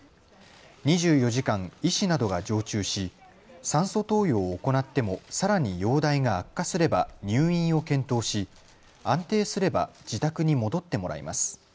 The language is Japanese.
２４時間、医師などが常駐し、酸素投与を行ってもさらに容体が悪化すれば入院を検討し安定すれば自宅に戻ってもらいます。